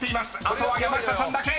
あとは山下さんだけ］